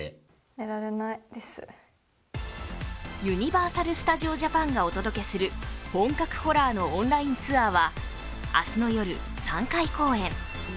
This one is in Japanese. ユニバーサル・スタジオ・ジャパンがお届けする本格ホラーのオンラインツアーは明日の夜、３回公演。